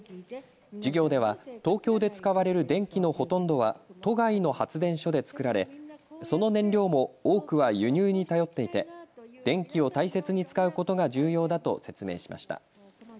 授業では東京で使われる電気のほとんどは都外の発電所でつくられその燃料も多くは輸入に頼っていて電気を大切に使うことが重要だと説明しました。